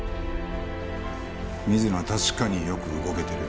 水野は確かによく動けてる。